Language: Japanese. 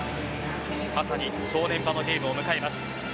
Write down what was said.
まさに正念場のゲームを迎えます。